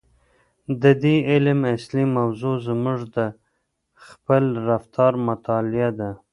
د دې علم اصلي موضوع زموږ د خپل رفتار مطالعه ده.